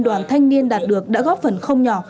đoàn thanh niên đạt được đã góp phần không nhỏ